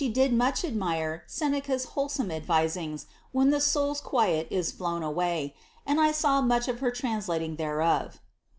ich admire Seneca^s wholesome advisings when the bouPm m away, and I saw much of her translating thereof.